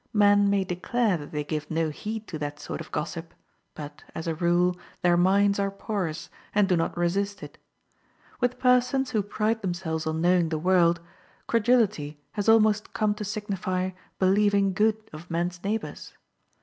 Men may declare that they give no heed to that sort of gossip ; but, as a rule, their minds are porous, and do not resist it. With persons who pride themselves on knowing the world, credulity has almost come to signify believing good of men's neighbors.